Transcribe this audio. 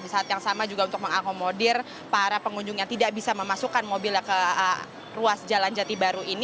di saat yang sama juga untuk mengakomodir para pengunjung yang tidak bisa memasukkan mobilnya ke ruas jalan jati baru ini